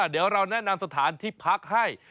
เดี๋ยวเราแนะนำสถานที่พักให้